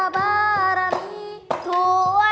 ธรรมดา